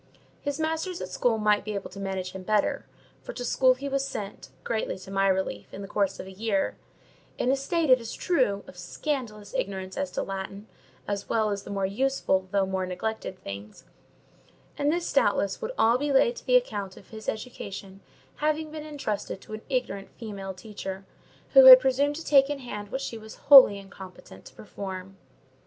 His masters at school might be able to manage him better—for to school he was sent, greatly to my relief, in the course of a year; in a state, it is true, of scandalous ignorance as to Latin, as well as the more useful though more neglected things: and this, doubtless, would all be laid to the account of his education having been entrusted to an ignorant female teacher, who had presumed to take in hand what she was wholly incompetent to perform.